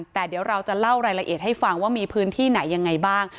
แต่เดี๋ยวเราจะเล่ารายละเอียดให้ฟังว่ามีพื้นที่ไหนยังไงบ้าง